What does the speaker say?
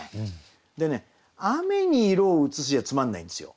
でね「雨に色をうつし」じゃつまんないんですよ。